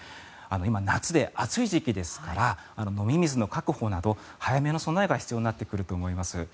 今、夏で暑い時期ですから飲み水の確保など早めの備えが必要になってくると思います。